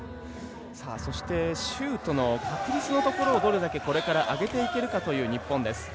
シュートの確率のところをどれだけ上げていけるかという日本です。